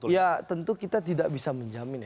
ya tentu kita tidak bisa menjamin ya